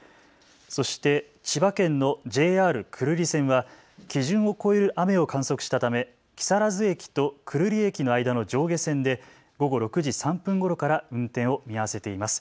そして千葉県のＪＲ久留里線は基準を超える雨を観測したため、木更津駅と久留里駅の間の上下線で午後６時３分ごろから運転を見合わせています。